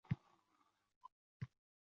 Boshidan yomg‘irlar yog‘ayotgan payti